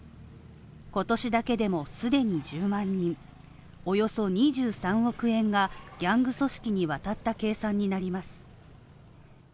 今年だけでも既に１０万人、およそ２３億円が、ギャング組織に渡った計算になります。